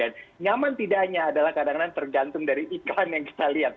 nyaman tidaknya adalah kadang kadang tergantung dari iklan yang kita lihat